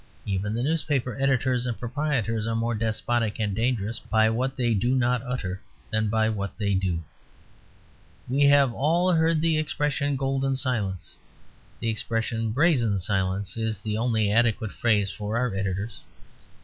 Even the newspaper editors and proprietors are more despotic and dangerous by what they do not utter than by what they do. We have all heard the expression "golden silence." The expression "brazen silence" is the only adequate phrase for our editors.